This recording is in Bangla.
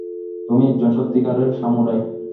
তুমি একজন সত্যিকারের সামুরাই!